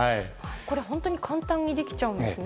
これ本当に簡単にできちゃうんですね。